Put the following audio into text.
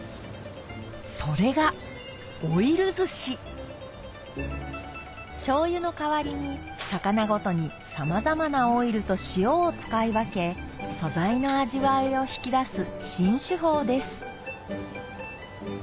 それがしょうゆの代わりに魚ごとにさまざまなオイルと塩を使い分け素材の味わいを引き出す新手法です